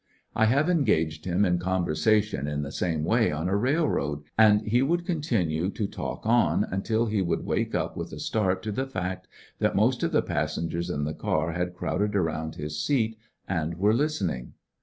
Eagerlisteners I have engaged him in conversation in the same way on a railroad, and he would con tinue to talk on until he would wake up with a start to the fact that most of the passengers in the car had crowded around his seat and were listening.